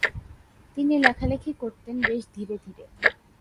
তিনি লেখালেখি করতেন বেশ ধীরে ধীরে।